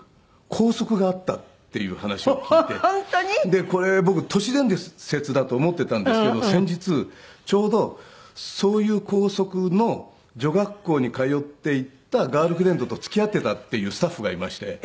でこれ僕都市伝説だと思っていたんですけど先日ちょうどそういう校則の女学校に通っていたガールフレンドと付き合っていたっていうスタッフがいまして。